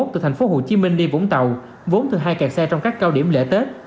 năm mươi một từ tp hcm đi vũng tàu vốn từ hai kẹt xe trong các cao điểm lễ tết